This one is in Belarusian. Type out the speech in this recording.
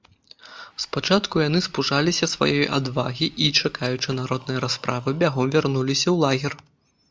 Спачатку яны спужаліся сваёй адвагі і, чакаючы народнай расправы, бягом вярнуліся ў лагер.